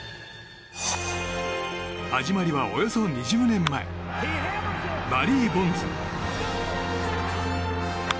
始まりはおよそ２０年前バリー・ボンズ。